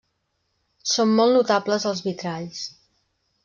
Són molt notables els vitralls.